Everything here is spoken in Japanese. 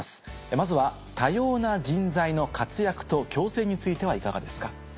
まずは「多様な人材の活躍と共生」についてはいかがですか？